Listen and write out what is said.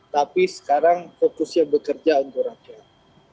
tapi sekarang fokusnya bekerja untuk rakyat